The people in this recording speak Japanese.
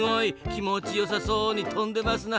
気持ちよさそうに飛んでますな。